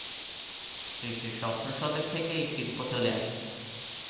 খ্রিস্টিয় সপ্তম শতক থেকে এই শিল্প চলে আসছে।